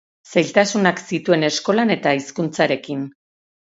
Zailtasunak zituen eskolan eta hizkuntzarekin.